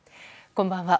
こんばんは。